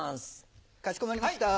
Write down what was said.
かしこまりました。